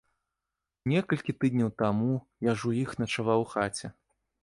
Некалькі тыдняў таму я ж у іх начаваў у хаце.